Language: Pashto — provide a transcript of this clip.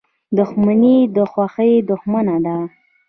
• دښمني د خوښۍ دښمنه ده.